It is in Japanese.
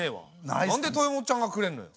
なんで豊本ちゃんがくれんのよ？